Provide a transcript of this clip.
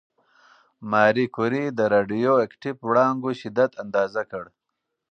ماري کوري د راډیواکټیف وړانګو شدت اندازه کړ.